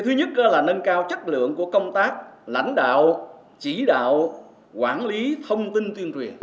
thứ nhất là nâng cao chất lượng của công tác lãnh đạo chỉ đạo quản lý thông tin tuyên truyền